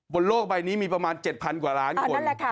บนโลกใบนี้มีประมาณ๗๐๐กว่าล้านคน